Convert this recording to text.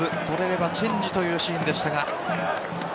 とれればチェンジというシーンでしたが。